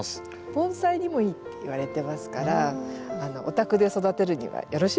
盆栽にもいいっていわれてますからお宅で育てるにはよろしいんじゃないでしょうか。